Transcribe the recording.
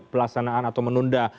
pelaksanaan atau menunda